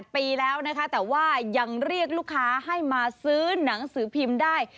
ปีแล้วนะคะแต่ว่ายังเรียกลูกค้าให้มาซื้อหนังสือพิมพ์ได้